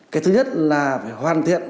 cái thứ nhất là phải hoàn thiện